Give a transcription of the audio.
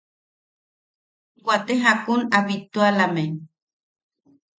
Waate jakun a bittualame.